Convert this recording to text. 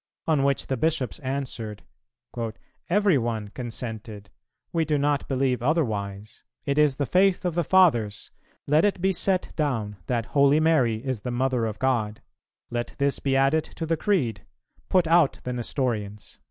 on which the Bishops answered, "Every one consented; we do not believe otherwise; it is the Faith of the Fathers; let it be set down that Holy Mary is the Mother of God: let this be added to the Creed; put out the Nestorians."